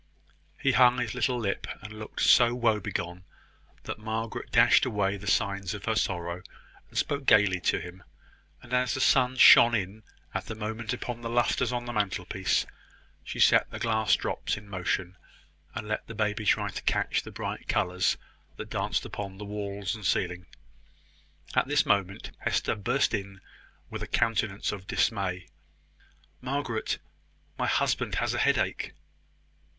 He hung his little lip, and looked so woe begone, that Margaret dashed away the signs of her sorrow, and spoke gaily to him; and, as the sun shone in at the moment upon the lustres on the mantelpiece, she set the glass drops in motion, and let the baby try to catch the bright colours that danced upon the walls and ceiling. At this moment, Hester burst in with a countenance of dismay. "Margaret, my husband has a headache!"